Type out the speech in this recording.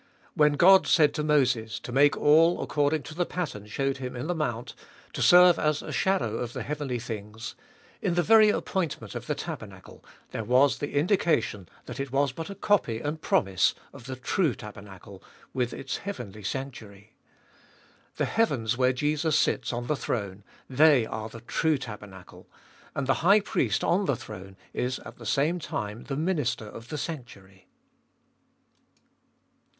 When God said to Moses, to make all according to the pattern showed him in the mount, to serve as a shadow of the heavenly things ; in the very appointment of the tabernacle, there was the indication that it was but a copy and promise of the true tabernacle, with its heavenly sanctuary. The heavens where Jesus sits on the throne, they are the true tabernacle; and the High Priest on the throne is at the same time the Minister of the sanctuary.